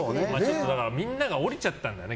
みんなが下りちゃったんだね